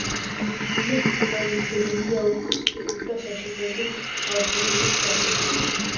ღმერთი წარმოდგენილია ოქროს პირით და საშინელი, ანთებული თვალებით.